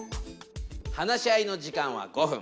話し合いの時間は５分。